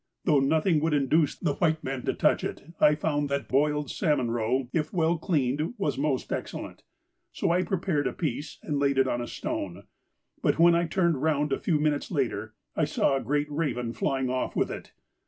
Though nothing would induce the white men to touch it, I had found that boiled salmon roe, if well cleaned, was most excellent, so I prepared a piece and laid it on a stone, but, when I turned round a few minutes later, I saw a great raven flying off with it.